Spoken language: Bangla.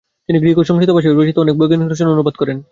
তিনি গ্রিক ও সংস্কৃত ভাষায় রচিত অনেক বৈজ্ঞানিক রচনা অনুবাদ করেন।